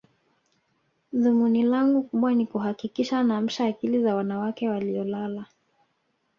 Dhumuni langu kubwa ni kuhakikisha naamsha akili za wanawake waliolala